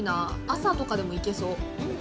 朝とかでもいけそう。